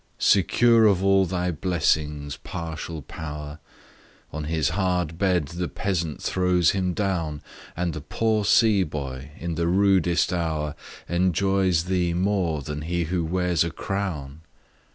Secure of all thy blessings, partial Power! On his hard bed the peasant throws him down; And the poor sea boy, in the rudest hour, Enjoys thee more than he who wears a crown.